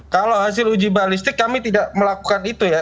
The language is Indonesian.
kalau hasil uji balistik kami tidak melakukan itu ya